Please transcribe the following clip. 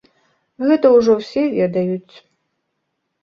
Гэта ўжо ўсе ведаюць.